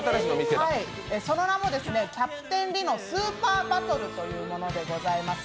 その名も「キャプテン・リノ：スーパーバトル」というものでございます